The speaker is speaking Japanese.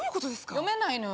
読めないのよ